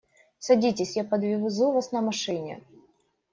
Садитесь, я подвезу вас на машине.